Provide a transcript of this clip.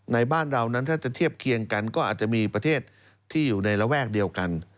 ในบ้านเรานั้นถ้าจะเทียบเคียงกันก็อาจจะมีประเทศที่อยู่ในระแวกเดียวกัน